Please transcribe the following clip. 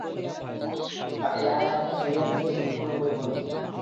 তা এ আয়াত ও সহীহ হাদীসের সম্পূর্ণ পরিপন্থী।